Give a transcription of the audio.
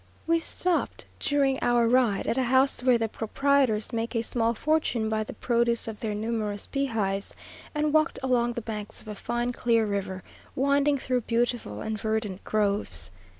We stopped during our ride, at a house where the proprietors make a small fortune by the produce of their numerous beehives; and walked along the banks of a fine clear river, winding through beautiful and verdant groves.